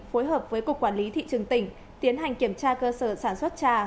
phối hợp với cục quản lý thị trường tỉnh tiến hành kiểm tra cơ sở sản xuất trà